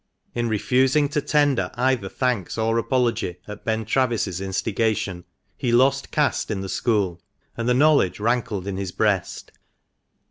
In refusing to tender either thanks or apology at Ben Travis's instigation, he lost caste in the school, and the knowledge rankled in his breast.